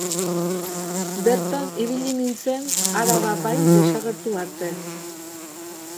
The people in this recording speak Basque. Bertan ibili nintzen Araba Bai desagertu arte.